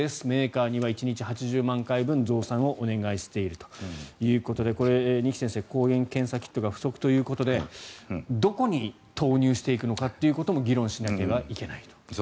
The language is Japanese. メーカーには１日８０万回分増産をお願いしているということで二木先生、抗原検査キットが不足ということでどこに投入していくのかも議論しなければいけないと。